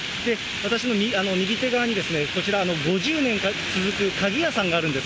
私の右手側にこちら、５０年続く鍵屋さんがあるんです。